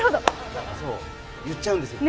そう、言っちゃうんですよ。